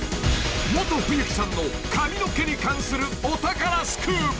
［モト冬樹さんの髪の毛に関するお宝スクープ］